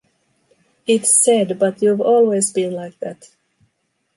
It’s said, but you’ve always been like that.